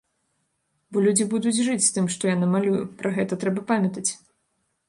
Бо людзі будуць жыць з тым, што я намалюю, пра гэта трэба памятаць.